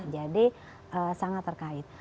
jadi sangat terkait